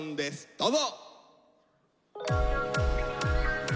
どうぞ。